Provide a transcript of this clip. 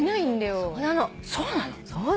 そうなの？